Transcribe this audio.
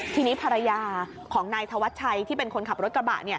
ทีนี้ภรรยาของนายธวัชชัยที่เป็นคนขับรถกระบะ